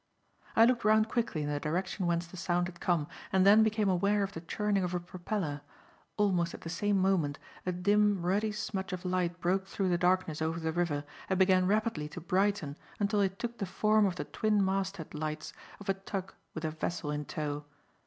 I looked round quickly in the direction whence the sound had come, and then became aware of the churning of a propeller. Almost at the same moment, a dim, ruddy smudge of light broke through the darkness over the river, and began rapidly to brighten until it took the form of the twin mast head lights of a tug with a vessel in tow.